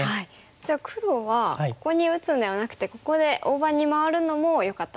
じゃあ黒はここに打つんではなくてここで大場に回るのもよかったんですね。